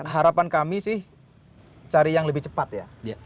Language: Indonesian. jadi bagaimana cara kita mencari yang lebih cepat ya